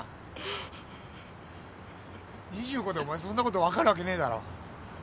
２５でお前そんなこと分かるわけねえだろ！